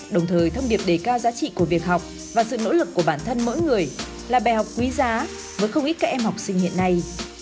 đồng thời thông điệp đề cao giá trị của việc học và sự nỗ lực của bản thân mỗi người là bài học quý giá với không ít các em học sinh hiện nay